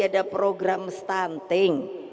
ada program stunting